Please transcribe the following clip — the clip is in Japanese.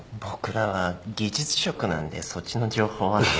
僕らは技術職なんでそっちの情報は。